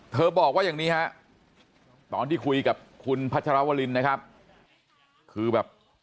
บอกว่าอย่างนี้ฮะตอนที่คุยกับคุณพัชรวรินนะครับคือแบบ